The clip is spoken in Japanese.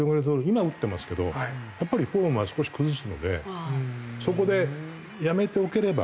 今は打ってますけどやっぱりフォームは少し崩すのでそこでやめておければ。